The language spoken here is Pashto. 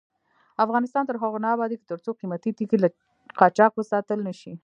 افغانستان تر هغو نه ابادیږي، ترڅو قیمتي تیږې له قاچاق وساتل نشي.